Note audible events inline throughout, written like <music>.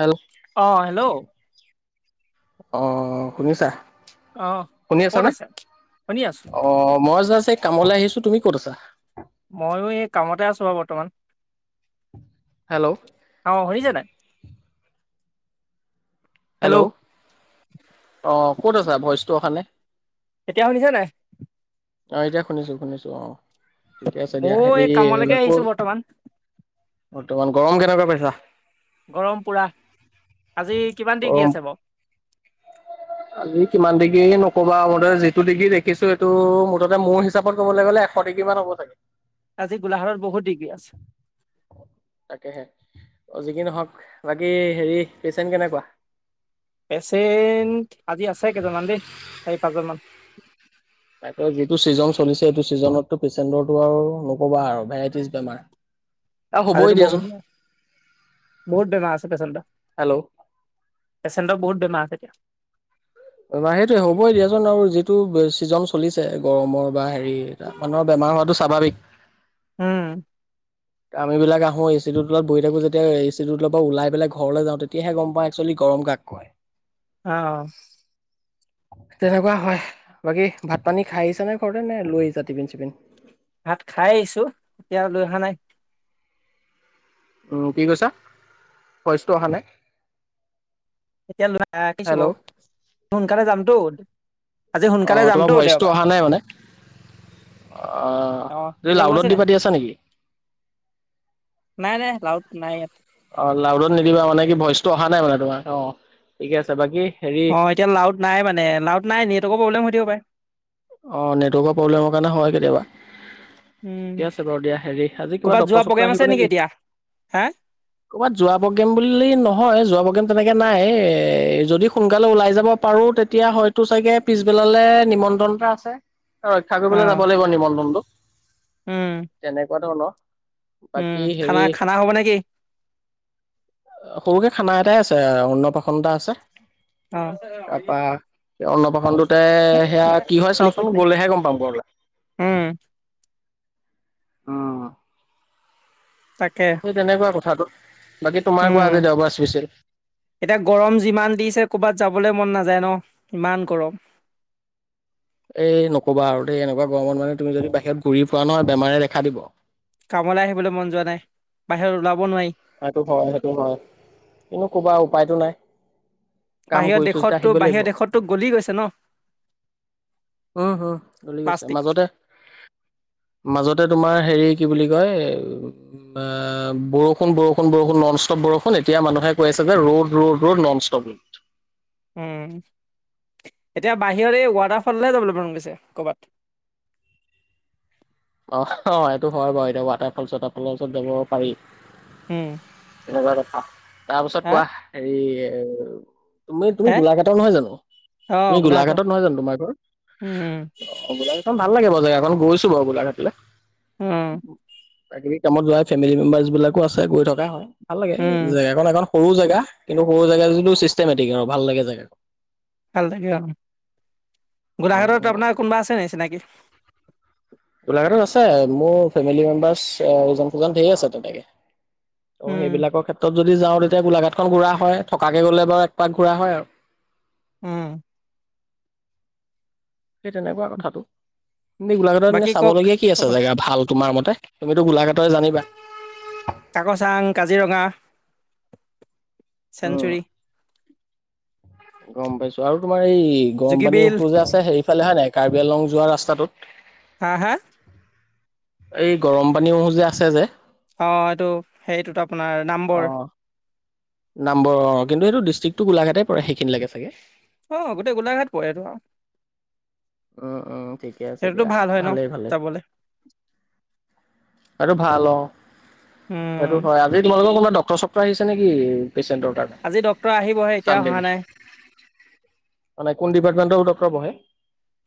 Hello অহ hello অ শুনিছা। অ শুনি আছা ক'ত নে আছে শুনি আছোঁ অ মই জা কামলৈ আহিছো তুমি ক'ত আছা? ময়ো এই কামতে আছো ব বৰ্তমান হেল্ল' অ শুনিছে নাই। হেল্ল' অঁ ক'ত আছা ভইচটো অহা নাই। এতিয়া শুনিছ নাই। অ এতিয়া শুনিছো শুনিছো অ। ঠিকে আছে দিয়া ময়ো হেৰি এই কামলৈকে আকৌ আহিছোঁ বৰ্তমান তোমাৰ গৰম কেনেকা পাইছা? গৰম পুৰা আজি কিমান ডিগ্ৰী কি গৰম আছে বাৰ আজি কিমান ডিগ্ৰী নকবা মুঠতে যিটো ডিগ্ৰী দেখিছো সেইটো মুঠতে মোৰ হিচাপত কবলৈ গ'লে। ফৌৰতি কিমান হ'ব ছাগে। আজি গোলাঘাট বহুত ডিগ্ৰী আছে। তাকে হে অ যিক কি নহক বাকী হেৰি পেচেণ্ট কেনেকুৱা? পেচেণ্ট আজি আছে কেইজনমান দেই চাৰি পাঁচজন মান তাকে যিটো ছিজন চলিছে সেইটো ছিজনতো পেচেণ্টৰটো আৰু নকবা আৰু ভেৰাইটিজ বেমাৰ আৰু আৰে হ'বই এটো দিয়াচোন বহুত বেমাৰ আছে পেচেণ্ট ৰ হেল্ল' পেচেণ্টৰ বহুত বেমাৰ থতিয়া সেইটোয়ে হ'বই দিয়াচোন আৰু যিটো চিজন চলিছে গৰমৰ বা হেৰি মানুহৰ বেমাৰ ম হোৱাটো স্বাভাৱিক উম আম এইবিলাক আহো এ চিটো তত বৈ থাকো যেতি এ চিৰ তৰ ওলাই পেলাই ঘৰলৈ যাওঁ তেতিয়াহে গম পা একচুৱেলী গৰম কাক হয় অহ তেনেকুৱা হয় বাকী ভাত পানী খাই আহিছা নে ঘৰতে নে লৈ আহিছা টিপিন চিপিন ভাত খাই আহিছো এতিয়া লৈ অহা নাই উম কি কৈছা ভইচটো অহা নাই এতিয়া ল আহ কিছো হেল্ল' বাৰু সোনকালে যামতো আজি অ সোনকালে তোমাৰ যামতো ভইচটো দেওবাৰ অহা নাই মানে অ আহ এই এতিয়া লাউডত গৈছে দি নাই পাতি আছা নেকি নাই নাই লাউত নাই ইয়াত অ লাউডত নিদিবা মানে কি ভইচটো অহা নাই মানে তোমাৰ অ ঠিকে আছে বাকী হেৰি অ এতিয়া লাউড নাই মানে লাউড নাই নেটৱৰ্কৰ প্ৰব্লেম হৈ থাকিব পাৰে অ নেটৱৰ্কৰ প্ৰব্লেমৰ কাৰণে হয় কেতিয়াবা উম ঠিকে আছে বাৰু দিয়া হেৰি আজি কিবা ক'ৰবাত ডক্তৰ যোৱা চকক্তৰ প্ৰগ্ৰেম আহিব আছে নেকি এতিয়া হা ক'ৰবাত যোৱা প্ৰগেম বুলি নহয় যোৱা প্ৰগেম তেনেকে তাকে নাই যদি সোনকালে ওলাই যাব পাৰোঁ তেতিয়া হয়তো চাগে পিছবেলালৈ নিমন্ত্ৰণ আ ৰক্ষা অ কৰিবলৈ যাব লাগিব নিয়ন্ত্ৰনটো উম তেনেকুৱা ধৰণৰ উম বাকী হেৰি খানা খানা হ'ব নেকি সৰুকে খানা এটাই আছে অন্নপাসন এটা আছে অ তাৰপা অন্নপ্ৰশনটোতে সেয়া কি হয় লিকুইড চাওচোন নাই গলেহে গম পাম বৰলৈ উম আহ তাকে সেই তেনেকুৱা কথাটো বাকী তোমাৰ কোৱা উম আজি দেওবাৰ স্পেচিয়েল? এতিয়া গৰম যিমান দিছে ক'ৰবাত যাবলৈ মন নাযায় ন ইমান গৰম এই নকবা আৰু দেই এনেকুৱা গৰমত মানে তুমি যদি বাহিৰত ঘূৰি পোৱা নহয় বেমাৰে দেখা দিব কামলৈ আহিবলৈ মন যোৱা নাই বাহিৰত ওলাব নোৱাৰি সটো হয় সেইটো হয় কিন্ত কবাৰ উপায়তটো নাই কাম বাহিৰৰ কৰিছো যেতিয়া দেশতটো আহিব লাগিব। বাহিৰৰ দেশটো গলি গৈছে ন উম হম চলি গৈছে প্লাষ্টিক মাজতে মাজতে তোমাৰ হেৰী কি বোলি কয় এ আ বৰষূণ বৰষুণ বৰষুণ নন ষ্টপ বৰষুণ এতিয়া মানুহে কৈ আছে যে road road road non stop road উম এতিয়া বাহিৰত এই ৱাটাৰফলহে যাবলৈ মন গৈছে কৰ'বাত <inaudible> অ অ এইটো হয় বাৰু এতিয়া ৱাটাৰফল চাটাৰফলৰ ওচৰত যাব পাৰি উম তেনেকুৱা ৰখা তাৰপাছত হা কোৱা হেৰি তুমি তুমি হে গোলাঘাটৰ নহয় জানো অ তুমি গোলাঘাটৰ গোলাঘাটত নহয় জানো তোমাৰ উম ঘৰত অ গোলাঘাটখন ভাল লাগে বাৰু এখন গৈছো বাৰু গোলাঘাটলে উম প্ৰাকৃতিক কামত যাই ফেমিলি মেম্বাৰ্চ বিলাকো আছে গৈ থকা হয় ভাল লাগে উম, জেগাখন এখন সৰু জেগা কিন্তু সৰু জেগা যটো চিষ্টেমেটিক আৰু ভাল লাগে জেগা ভাল লাগে অহ। অ অ গোলাঘাটত আপোনাৰ কোনোবা আছে নি চিনাকি? গোলাঘাটত আছে, মোৰ ফেমিলি মেম্বাৰ্চ ইজন সিজন ধেৰি আছে তেনেকে। অঁ উম, সেইবিলাকৰ ক্ষেত্ৰত য যদি যাওঁ তেতিয়া গোলাঘাটখন ঘুৰা হয়। থকাকে গ'লে বাৰু এক পাক ঘুৰা হয় আৰু। উম। সেই তেনেকুৱা কথাটো। এনেই গোলাঘাটত এনেই বাকী কওক চাবলগীয়া কি আছে খবৰ জেগা ভাল তোমাৰ মতে? তুমিতো গোলাঘাটৰে জানিবা? কাকচাং, কাজিৰঙা উম চেনঞ্চুৰি। গম পাইছো আৰু তোমাৰ এই গৰম পানীৰ জুগীবিল উঁহটো যে আছে সেইৰিফালে হয় নাই কাৰ্বি আংলং যোৱা ৰাস্তাটোত? হা, হা এই গৰম পানী উঁহ যে আছে যে। অঁ এইটো হেইটোত আপোনাৰ নামবৰ। নামবৰ অঁ, কিন্তু এইটো ডিষ্ট্ৰিক্টো গোলাঘাটতে পৰে সেইখিনি লাগে চাগে? অঁ গোটেই গোলাঘাট পৰেতো আৰু। উম উম ঠিকে আছে সেইটোতো দিয়া, ভাল হয় ন? ভালেই ভালেই। যাবলে আৰু ভাল অঁ। উম, সেইটো হয়। আজি তোমালোকৰ কোনোবা ডক্টৰ চকক্তৰ আহিছে নেকি পেচণ্টৰ কাৰণে আজি ডক্তৰ আহিবহে এতিয়া চানডে অহা বোলি? নাই। অঁ নাই কোন ডিপাৰ্টমেণ্টৰ ডক্টৰ বহে?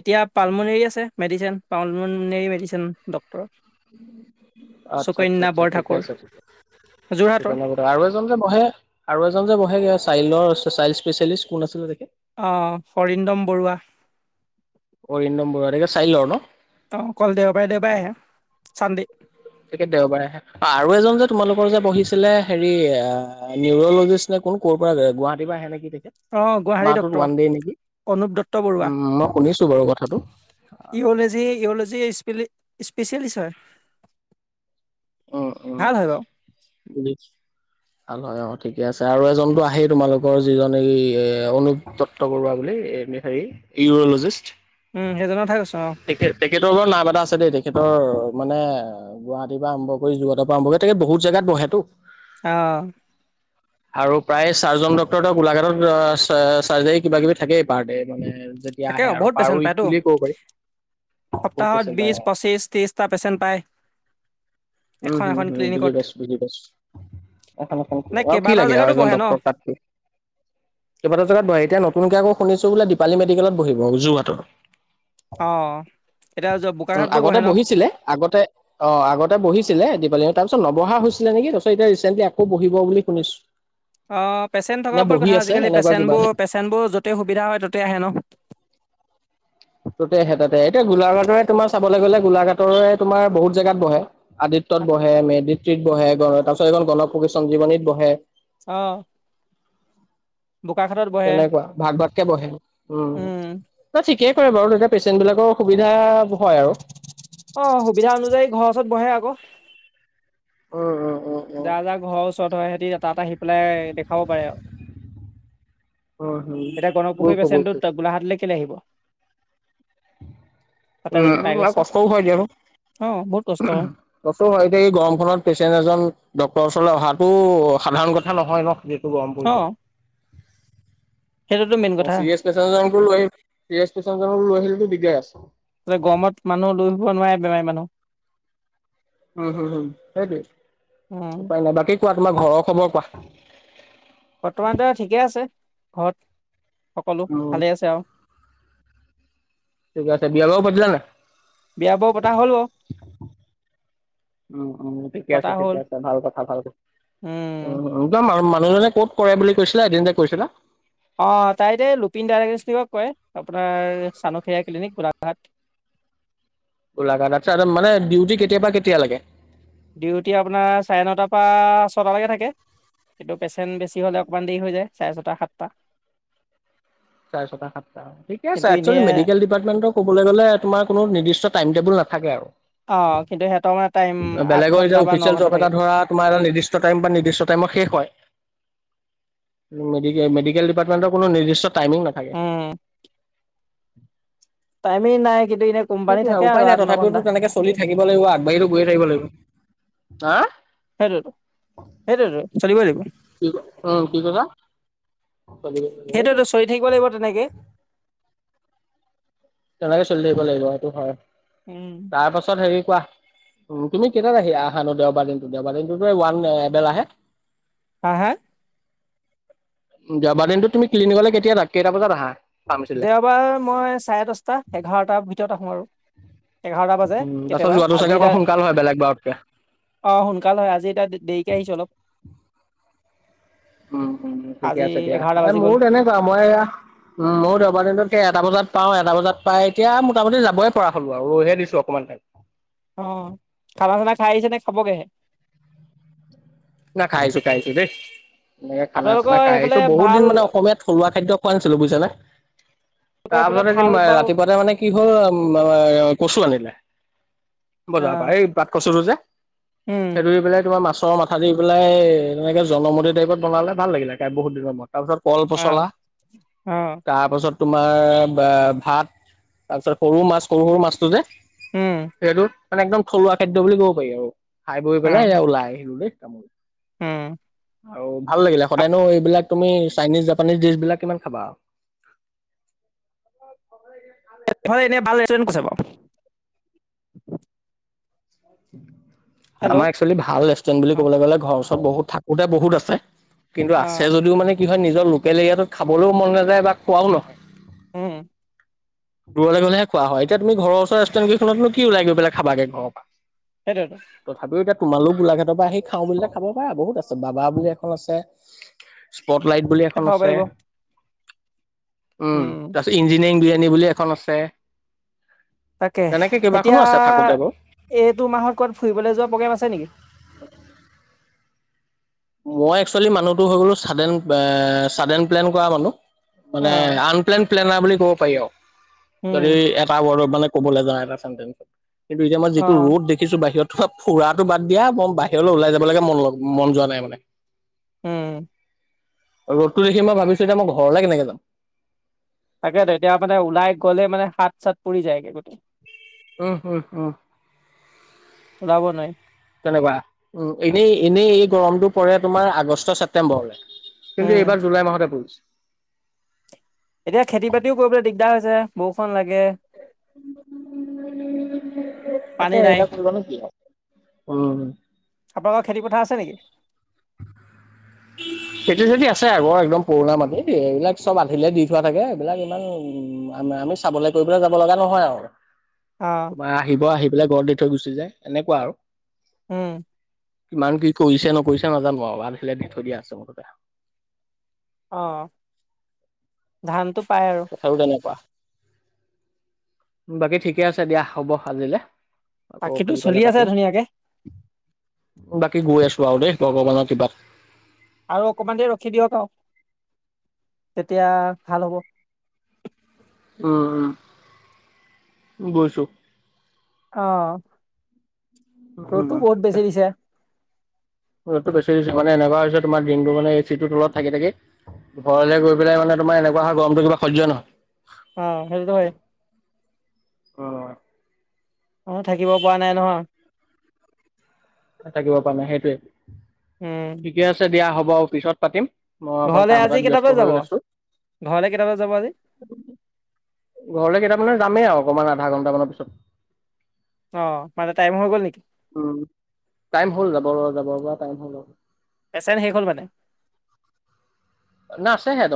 এতিয়া পাৰুলমনীৰে আছে মেডিচ, পাৰুলমনীয়ে মেডিচিন ডক আচ্ছা আচ্ছা আচ্ছা ঠিকে বৰঠাকুৰ আছে তেতিয়া। যোৰহাটৰ চুপেন্দ আৰু এজন যে বহে আৰু এজন যে বহেগে চাইল্ডৰ চ চাইল্ড স্পেচিয়েলিষ্ট কোন আছিলে তেখেত? অঁ অৰিন্দম বৰুৱা। অৰিন্দম বৰুৱা, তেখেত চাইল্ডৰ ন? অঁ অকল দেওবাৰে দেওবাৰে আহে চানডে। তাকে দেওবাৰে আহে, আৰু এজন যে তোমালোকৰ যে বহিছিলে হেৰি নিউৰলজিষ্ট নে কোন কৰ পৰা গুৱাহাটী পৰা আহে নেকি তেখেত, অ', গুৱাহাটী মাহটোত ডক্তৰ ওৱান দে নেকি? অনুপ দত্ত উম মই শুনিছো বাৰু কথাটো। ইউৰ'ল'জি ইউৰ'ল'জি স্পেচিয়েলিষ্ট হয়। উম উম ভাল হয় উম। বাৰু। ভাল হয় অঁ ঠিকে আছে। আৰু এজনতো আহেই তোমালোকৰ যিজন এই এ অনুপ দত্ত বৰুৱা বুলি এই হেৰি ইউৰলজিষ্ট। উম, সেইজনৰ কথা কৈছো অ'। তেখেত তেখেতৰো নাম এটা আছে দেই, তেখেত তেখেতৰ মানে গুৱাহাটীৰ পৰা আৰম্ভ কৰি, যোৰহাটৰ পৰা আৰম্ভ কৰি, তেখেত বহুত জেগাত বহেতো। অহ। আৰু প্ৰায় চাৰ্জন ডক্তৰ তহ গোলাঘাটত চ চাৰ্জাৰী কিবা কিবি থাকেই পাৰ ডে মানে যেতিয়া তাকে আহে আৰু বহুত পাৰ পেচেণ্ট উইক পায়তো। বুলিয়ে ক'ব পাৰি। বহুত সপ্তাহত পেচেণ্ট বিশ আহে পঁচিছ ত্ৰিছটা পেচেণ্ট পায়। উম এখন হম এখন হম বুজি ক্লিনিকত। পাইছোঁ বুজি পাইছোঁ। এখন এখনকে নে আৰু কি কেইবাটাও লাগে আৰু জেগাতো এজন বহে ন? ডক্টৰক তাতকৈ। কেইবাটাও জেগাত বহে, এতিয়া নতুনকে আকৌ শুনিছো বোলে দীপালী মেডিকেলত বহিব যোৰহাটৰ। অ', এতিয়া য- উম বোকাখাততো আগতে বহে ন? বহিছিলে, আগতে অ আগত তে বহিছিলে দীপাৱলীত, তাৰ পিছত নবহা হেছিলে নেকি, তাৰপিছত এতিয়া ৰিচেণ্টল আকৌ বহিব বুলি শুনিছো। অঁ পেচেণ্ট নে থকাৰ উপৰত বহি কথা। আছে আজিকালি এনেকুৱা কিবা পেচেণ্টবোৰ পেচেণ্টবোৰ য'তেই সুবিধা হয় ত'তেই আহে ন। ততে আহে তাতে আহে। এতিয়া গোলাঘাটৰে তোমাৰ চাবলৈ গ'লে গোলাঘাটৰে তোমাৰ বহুত জেগাত বহে। আদিত্যত বহে, মেদিত্ৰীত বহে, গ তাৰপিছত এখন গণ প্ৰশ চঞ্জীৱনীত বহে। অঁ। তেনেকুৱা ভাগ ভাগকে বহে, উম। তে থি কে কৰে বাৰু তেতিয়া পেচেণ্ট বিলাকৰ সুবিধা হয় আৰু। অ', সুবিধা অনুযায়ী ঘৰৰ ওচৰত বহে আকৌ উম উম। উম উম। যা-যা ঘৰৰ ওচৰত হয় সিহঁতি তাত আহি পেলাই দেখাব পাৰে আৰু উম হম এতিয়া গণপুখুৰী বুজিছোঁ বুজিছোঁ পছেনটোত গোলাঘাটলৈ কেলৈ আহিব তাতে উম যদি পাই ম গৈছে। কষ্টও হয় দিয়া চোন অ', বহুত কষ্ট হয়, কষ্ট‌ও হয় এতিয়া এই গৰমখনত পেচেন্ট এজন ডক্তৰ ওচৰলৈ অহাটো সাধাৰণ কথা নহয় ন যিটো গৰম পৰিছে অ', সেইটোতো মেইন কথা। চিৰিয়াছ পেচেণ্ট এজনকো লৈ চিৰিয়াছ পেচেণ্ট এজনকো লৈ আহিলেটো দিগদাৰ আছে। গৰমত মানুহ লৈ ফুৰিব নোৱাৰে বেমাৰী মানুহ উম হুম-হুম সেইটোৱেই উম, উপায় নাই বাকী কোৱা তোমাৰ ঘৰৰ খবৰ কোৱা বৰ্তমানতো ঠিকে আছে। ঘৰত সকলো উম, ভালে আছে আৰু গছে বিয়া বাৰু পাতিলা নাই বিয়া বাৰু পতা হ'ল অ উম-উম ঠিকে আছে ঠিকে হ'ল, আছে ভাল কথা ভাল কথা উম একদম আৰু মানুহজনে ক'ত কৰে বুলি কৈছিলা এদিন যে কৈছিলা। অ তাই যে লুপিন ডায়গটি কৰে আপোনাৰ চানুখে ক্লিনিক গোলাঘাট <inaudible> গোলাঘাট চাইডত মানে ডিউটি কেতিয়াৰ পৰা কেতিয়ালৈকে ডিউটি আপোনাৰ চাৰে নটাৰ পৰা ছটালৈকে থাকে কিন্তু পেচেণ্ট বেছি হলে অকনমান দেৰি হৈ যায় চাৰে ছটা সাতটা চাৰে ছটা সাতটা ঠিক কিন্তু এনে আছে মেডিকেল ডিপাৰ্টমেণ্ট কবলৈ গলে তোমাৰ কোনো নিৰ্দিষ্ট টাইম টেবুল না <inaudible> অ', কিন্তু সিহঁতৰ মানে টাইম আঠ বেলেগৰ ঘন্টা এতিয়া বা ন অফিচিয়েল ঘন্টা জব এটা থাকে, ধৰা তোমাৰ এটা নিৰ্দিষ্ট টাইম বা নিৰ্দিষ্ট টাইম তোমাৰ শেষ হয় <inaudible> মেডিকেল ডিপাৰ্টমেন্টৰ কোনো নিৰ্দিষ্ট টাইমিং নাথাকে উম, <unintelligible> টাইমেই নাই কিন্তু এনে কোম্পানী সেইটো থাকে উপায় আৰু নাই আঠ ন তথাপিওতো তেনেকে চলি ঘন্টা। থাকিব লাগিব আগবাঢ়িটো গৈয়ে থাকিব লাগিব হা সেইটোৱেটো সেইটোৱেটো চলিবই লাগিব কি অ কি কৈছা? চলি সেইটোৱেইটো চলি থাকিব লাগিব তেনেকে তেনেকে চলি থাকিব লাগিব সেইটো হয় উম তাৰ পাছত হেৰি কোৱা উম তুমি কেইটাত আহি আহানো দেওবাৰ দিনটো দেওবাৰ দিনটোতো ওৱান এবেলাহে হা হা দেওবাৰ দিনটোত তুমি ক্লিনিকলৈ কেতিয়া আ কেইটা বজাত আহা ফাৰ্মাচীলে দেওবাৰ মই চাৰে দশটা এঘাৰটাৰ ভিতৰত আহো আৰু এঘাৰটা বাজে উম তাৰপাছত কেতিয়াবা যোৱাটো চাগে আজি অকণ তাৰ সোনকাল হয় বেলেগ বাৰতকে অ সোনকাল হয় আজি এতিয়া দেৰিকে আহিছো অলপ উম-উম ঠিকে আজি আছে দিয়া এঘাৰটা এ বাজি গ'ল মোৰো তেনেকুৱা মই এয়া উম ম‌ইও দেওবাৰ দিনটোত এটা বজাত পাওঁ এটা বজাত পাই এতিয়া মোটামুটি যাবই পৰা হ'লো আৰু ৰৈ হে দিছো অকণমান টাইম অ খানা-চানা খাই আহিছে নে খাবগে? না খাইছো খাইছো দেই এনেকে আপোনালোকৰ খানা-চানা খাই সেইফালে আহিছো বহুত দিন ভাল মানে অসমীয়াত থলুৱা খাদ্য পোৱা নাছিলো বুজিছা নে আপোনালোকৰ সেইফালে ভাল তাৰপিছতে বাৰু ৰাতিপুৱাতে মানে কি হ'ল আহ কচু আনিলে অ বজাৰ পৰা এই বাত কছুটো যে উম সেই ধৰি পেলাই তোমাৰ মাছৰ মাছ ভাজি পেলাই তেনেকে জনমত টাইপত বনালে ভাল লাগিলে কাই বহুত দিনৰ মূৰত তাৰপিছত কল অ পচলা অ তাৰপাছত তোমাৰ বা ভাত তাৰপিছত সৰু মাছ সৰু-সৰু মাছটো যে উম সেইটো মানে একদম থলুৱা খাদ্য বুলি কব পাৰি আৰু খাই বৈ অ পেলাই এ ওলাই আহিলো দেই তামোল উম আৰু ভাল লাগিলে সদায়নো এইবিলাক তুমি চাইনিজ, জাপানিজ ডিচ বিলাক কিমান খাবা আৱ। <unintelligible> ফালে এনে ভাল ৰেষ্টুৰেণ্ট ক'ত আছে বাৱ। আমাৰ অ একচুৱেলি ভাল ৰেষ্টুৰেন্ট বুলি ক'বলে গ'লে ঘৰৰ ওচ ত বহুত থাকোতে বহুত আছে কিন্তু অ আছে যদিও মানে কি নিজৰ লোকেল এৰিয়াটো খাবলৈও মন নাযায় বা খোৱাও নহয় উম দূৰলে গ'লেহে খোৱা হয় এতিয়া তুমি ঘৰৰ ওচৰৰ ৰেষ্টুৰেণ্ট কেইখনত কি উলাই গৈ পেলাই খাবা গৈ ঘৰৰ পা সেইটোৱেইটো তোমালোক গোলাঘাটৰ পৰা সেই খাওঁ বুলিলে খাব পাৰা বহুত আছে বাবা বুলি এখন আছে ফগ লাইট বুলি এখন খাব আছে পাৰিব উম তাৰছত ইঞ্জিনিয়াৰিং বিৰিয়ানী বুলি এখন আছে তাকে তেনেকে এতিয়া কেইবাখনো আছে থাকোতে বাৰু। এইটো মাহত কবাত ফুৰিবলৈ যোৱা প্ৰগ্ৰেম আছে নেকি <inaudible> মই একচুৱেলি মানুহটো হৈ গ'লো চাডেন চাদেন প্লেন কৰা মানুহ মানে অ', আনপ্লেন প্লেনা নাই বুলি ক'ব পাৰি আৰু উম, যদি এটা ৱৰ্ডত মানে ক'বলৈ যা এটা চেন কিন্তু এতিয়া মই যিটো অ', ৰ'দ দেখিছো বাহিৰত তোমাৰ ফুৰাটো বাদ দিয়া মই বাহিৰলৈ ওলাই যাব লাগে মন মন যোৱা নাই মানে উম ৰ'দটো দেখি মই ভাবিছো এতিয়া মই ঘৰলে কেনেকে যাম তাকে তেতিয়া মানে ওলাই গ'লে মানে হাত চাত পুৰি যায়গে গোটেই উহ উহ উহ ওলাব নোৱাৰি তেনেকুৱা উ এনেই এনেই গৰমটো পৰে তোমাৰ আগষ্টৰ ছেপ্তেম্বৰলৈ কিন্তু উম, এইবাৰ জুলাই মাহতে পৰিছে এতিয়া খেতি বাতিও কৰিবলে দিগদাৰ হৈছে বৰষুণ লাগে। তাকে পানী নাই। এইডাল ফুলৰ নো কি হ'ল। আপোনালোকৰ খেতিপথাৰ আছে নেকি? খেতি চেতি আছে আগৰ একদম পুৰণা মাটি এইবিলাক চব আঁধিলে দি থোৱা থাকে এইবিলাক ইমান উম আম আমি চাবলে কৰিবলে যাব লগা নহয় আৱ। অ', তোমাৰ আহিব আহি পেলাই ঘৰত দি থৈ গুচি যায়। এনেকুৱা আৰু উম। কিমান কি কৰিছে নকৰিছে নাজানো আৱ আঁধিলে দি থৈ দিয়া আছে মুঠতে। অ ধানটো পাই আৰু কথাবোৰ তেনেকুৱা বাকী ঠিকে আছে দিয়া হ'ব আজিলে। আকৌ বাকীটো চলি পিছবেলা আছে পাতিম ধুনীয়াকে বাকী গৈ আছোঁ আৰু দেই। ভগৱানৰ কৃপাত। আৰু অকমান দেৰি ৰখি দিয়ক আৰু তেতিয়া ভাল হ'ব। উম উম, গৈছোঁ। অহ উম। ৰ'দো বহুত বেছি দিছে। ৰ'দটো বেছি দিছে মানে এনেকোৱা হৈছে তোমাৰ দিনটো মানে এ চিটোৰ তলত থাকি থাকি ঘৰলে গৈ পেলাই মানে তোমাৰ এনেকুৱা হয় গৰমটো কিবা সহ্য নহয়। অ সেইটোতো হয়ে। অহ। অ থাকিব পৰা নাই নহয়। থাকিব পৰা নাই সেইটোৱে উম, ঠিকে আছে দিয়া হ'ব আৰু পিছত পাতিম। মই অকণ ঘৰলে কাম আজি এটাত কেইটা ব্যস্ত বজাত হৈ যাব? গৈছো। ঘৰলে কেইটা বজাত যাব আজি ঘৰলে কেইটা মানে যামেই আৱ অকমান আধা ঘন্টা মানৰ পিছত। অ মানে টাইম হৈ গ'ল নেকি? উম টাইম হল যাব যাবৰ পৰা টাইম হল। পেচেণ্ট শেষ হ'ল মানে না আছে হেয়াতে।